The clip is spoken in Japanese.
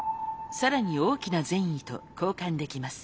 更に大きな善意と交換できます。